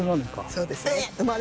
そうですね。